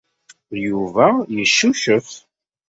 Yuba yeccucef.